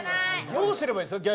どうすればいいんですか？